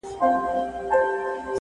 ژوند سرینده نه ده. چي بیا یې وږغوم.